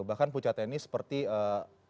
bahkan pucatnya ini seperti air